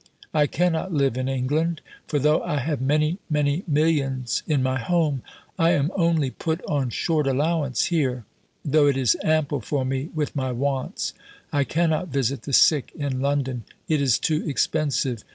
I cannot live in England; for though I have many many millions in my Home, I am only put on short allowance here, tho' it is ample for me with my wants. I cannot visit the sick in London: it is too expensive.